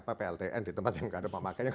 apa pltn di tempat yang tidak ada pemakaian